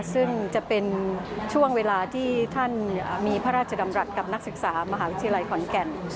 ซึ่งจะเป็นช่วงเวลาที่ท่านมีพระราชดำรัฐกับนักศึกษามหาวิทยาลัยขอนแก่น